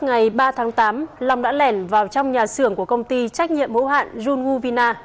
ngày ba tháng tám long đã lẻn vào trong nhà sưởng của công ty trách nhiệm hữu hạn jun gu vina